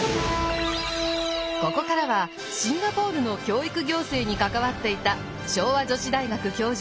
ここからはシンガポールの教育行政に関わっていた昭和女子大学教授